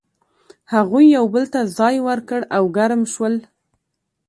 هغوی یو بل ته ځای ورکړ او ګرم شول.